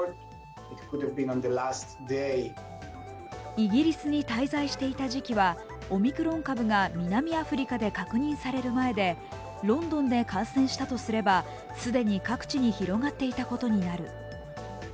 イギリスに滞在していた時期はオミクロン株が南アフリカで確認される前でロンドンで感染したとすれば既に各地に広がっていたことになる。